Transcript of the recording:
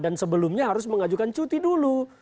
dan sebelumnya harus mengajukan cuti dulu